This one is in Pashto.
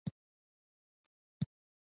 د بشر د حقونو نړیوالې اعلامیې اهمیت وپيژني.